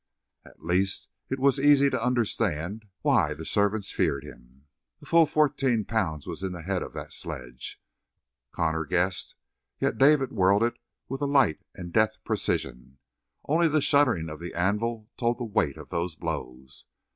At least it was easy to understand why the servants feared him. A full fourteen pounds was in the head of that sledge, Connor guessed, yet David whirled it with a light and deft precision. Only the shuddering of the anvil told the weight of those blows.